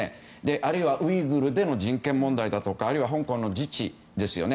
あるいはウイグルでの人権問題だとか香港の自治ですよね。